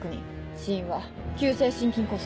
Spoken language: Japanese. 死因は急性心筋梗塞。